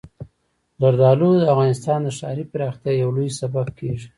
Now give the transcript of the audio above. زردالو د افغانستان د ښاري پراختیا یو لوی سبب کېږي.